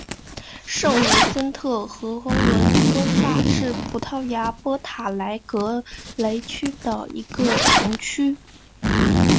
圣维森特和文托萨是葡萄牙波塔莱格雷区的一个堂区。